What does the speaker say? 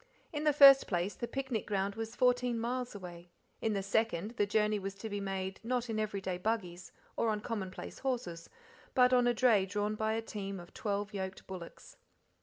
In the first place, the picnic ground was fourteen miles away; in the second, the journey was to be made, not in everyday buggies, or on commonplace horses, but on a dray drawn by a team of twelve yoked bullocks.